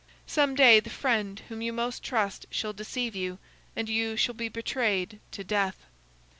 Some day the friend whom you most trust shall deceive you, and you shall be betrayed to death."